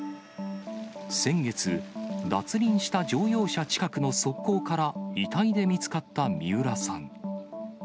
先月、脱輪した乗用車近くの側溝から、遺体で見つかった三浦さん。